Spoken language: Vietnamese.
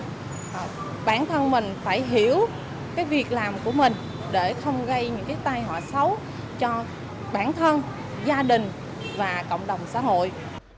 vì bản thân mình phải hiểu cái việc làm của mình để không gây những cái tai họa xấu cho bản thân gia đình và cộng đồng xã hội